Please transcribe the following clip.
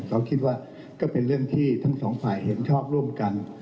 เขาคิดว่าก็เป็นเรื่องที่ทั้งสองฝ่ายเห็นชอบร่วมกัน